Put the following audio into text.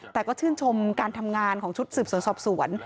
แต่ก็ชื่นชมการทำงานของชุดสืบสวนสอบสวน